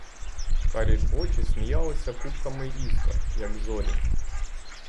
Карі ж очі сміялися купками іскор, як зорі.